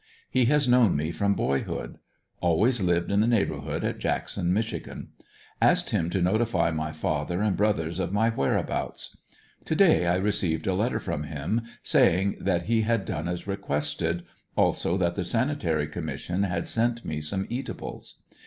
He has know^n me from boyhood. Always lived in the neighborhood at Jackson, Mich. Asked him to notify my father and brothers of my whereabouts. To day I received a letter from him saying that he had done as requested, also that the Sanitary Commission had sent me some eatables.